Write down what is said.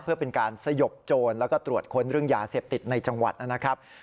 เพื่อเป็นการสยบโจรแล้วก็ตรวจค้นเรื่องยาเสพติดในจังหวัดนะครับ